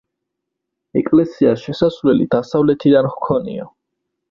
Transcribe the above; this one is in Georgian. ეკლესიას შესასვლელი დასავლეთიდან ჰქონია.